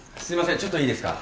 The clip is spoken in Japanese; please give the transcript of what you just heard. ちょっといいですか。